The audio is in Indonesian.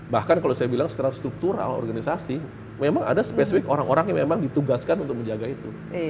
bahkan kalau saya bilang secara struktural organisasi memang ada spesifik orang orang yang memang ditugaskan untuk menjaga itu